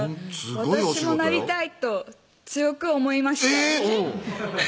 私もなりたいと強く思いましたえぇ！